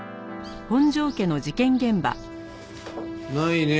ないね